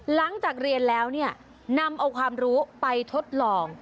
หลังจากเรียนแล้วเนี่ยนำเอาความรู้ไปทดลอง